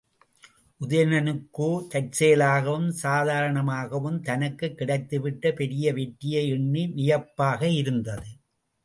உதயணனுக்கோ தற்செயலாகவும் சாதாரணமாகவும் தனக்குக் கிடைத்துவிட்ட பெரிய வெற்றியை எண்ணி வியப்பாக இருந்தது.